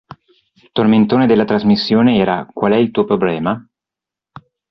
Tormentone della trasmissione era "Qual è il tuo problema?